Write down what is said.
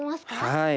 はい。